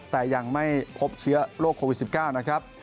แต่ยังไม่พบเชื้อโรคโควิด๑๙นะครับ